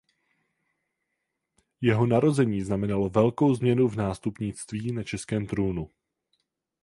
Jeho narození znamenalo velkou změnu v nástupnictví na českém trůnu.